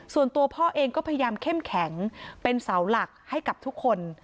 ส่วนตัวพ่อเองก็พยายามเข้มแข็งเป็นเสาหลักให้กับทุกคน